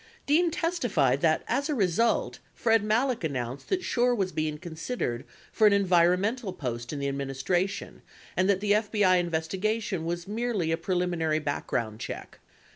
Dean testified that as a result, Fred Malek announced that Schorr was being considered for an environmental post in the administration, and that the FBI investigation was merely a preliminary background check.